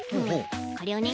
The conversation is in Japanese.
これをね